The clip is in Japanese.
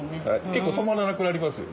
結構止まらなくなりますよ